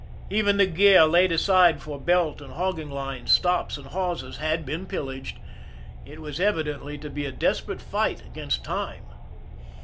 Even the gear laid aside for belt and hogging lines, stops, and hawsers, had been pil laged. It was evidently to be a desperate fight against time.